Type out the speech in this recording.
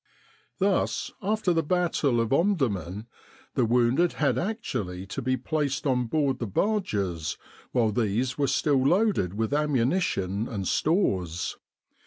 Thus, after the battle of Omdurman, the wounded had actually to be placed on board the barges while these were still loaded with ammunition and stores.